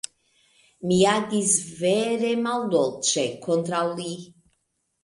Mi agis vere maldolĉe kontraŭ li.